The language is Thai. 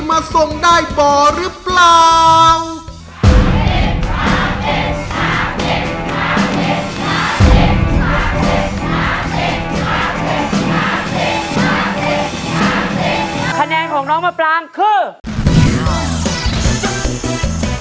มาสิมาสิมาช่วยสิ